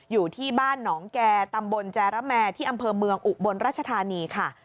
อยู่ที่บ้านหนองแก่ตำบลแจรแมที่อำเภอเมืองอุบลราชธานีค่ะ